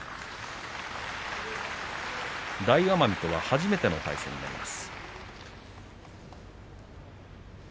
大奄美とは初めての対戦です。